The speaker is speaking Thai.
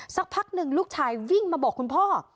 สักพักหนึ่งลูกชายวิ่งมาบอกคุณพ่อ